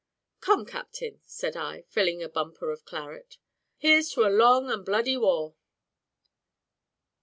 "Come, captain," said I, filling a bumper of claret, "here's to a long and bloody war."